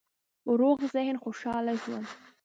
روغ ذهن، خوشحاله ژوند